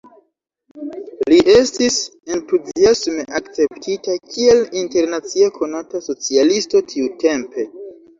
Li estis entuziasme akceptita, kiel internacie konata socialisto tiutempe.